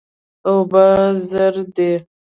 اوبه زر دي.